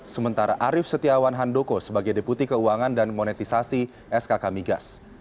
sementara arief setiawan handoko sebagai deputi keuangan dan monetisasi skk migas